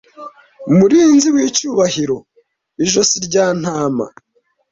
Murinzi w'icyubahiro Ijosi rya Ntama